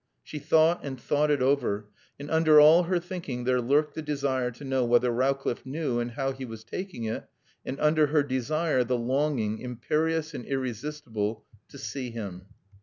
She thought and thought it over; and under all her thinking there lurked the desire to know whether Rowcliffe knew and how he was taking it, and under her desire the longing, imperious and irresistible, to see him.